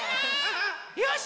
よし！